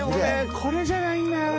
これじゃないんだよね